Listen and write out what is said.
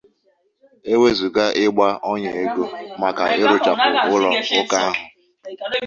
E wezùga ịgbà ọnyà ego maka ịrụchàpụ ụlọ ụka ahụ